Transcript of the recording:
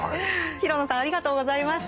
廣野さんありがとうございました。